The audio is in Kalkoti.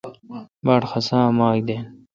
باڑ خسا اے ماک دین۔